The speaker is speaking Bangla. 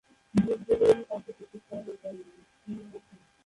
দিক ভুলে গেলে কাউকে জিজ্ঞাসা করার উপায় নেই।